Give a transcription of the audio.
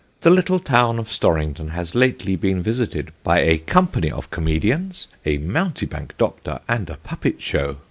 The little town of Storrington has lately been visited by a Company of Comedians, a Mountebank Doctor, and a Puppet Show.